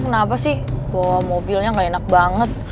kenapa sih bawa mobilnya gak enak banget